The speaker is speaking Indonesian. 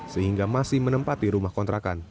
sehingga masih menempati rumah kontrakan